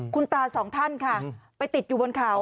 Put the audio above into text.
คุณตาสองท่านค่ะไปติดอยู่บนเขา